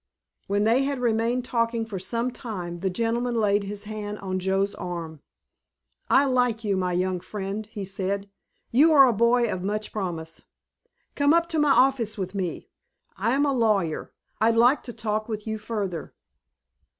When they had remained talking for some time the gentleman laid his hand on Joe's arm. "I like you, my young friend," he said; "you are a boy of much promise. Come up to my office with me. I am a lawyer. I'd like to talk with you further."